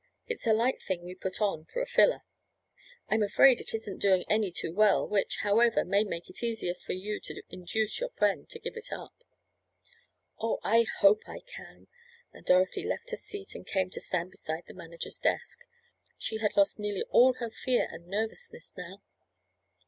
It's a light thing we put on for a filler. I'm afraid it isn't doing any too well, which, however, may make it easier for you to induce your friend to give it up." "Oh, I hope I can!" and Dorothy left her seat and came to stand beside the manager's desk. She had lost nearly all her fear and nervousness now.